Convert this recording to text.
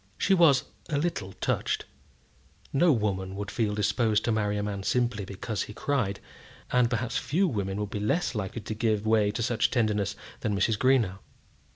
She was a little touched. No woman would feel disposed to marry a man simply because he cried, and perhaps few women would be less likely to give way to such tenderness than Mrs. Greenow.